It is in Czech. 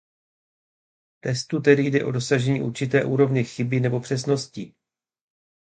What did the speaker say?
V testu tedy jde o dosažení určité úrovně chyby nebo přesnosti.